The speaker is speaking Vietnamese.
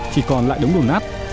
chỉ còn lại đống đủ nát